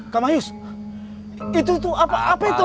kamayus itu tuh apa apa itu